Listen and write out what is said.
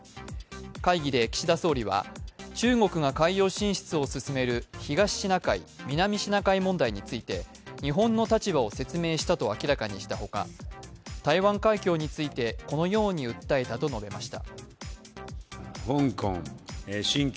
会議で岸田総理は中国が海洋進出を進める東シナ海、南シナ海問題について、日本の立場を説明したと明らかにした他、台湾海峡についてこのように訴えたと述べました。